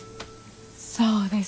そうです。